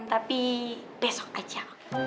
tapi besok aja